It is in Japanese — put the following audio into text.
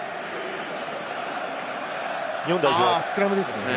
スクラムですね。